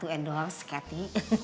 titisan datu endorse kathy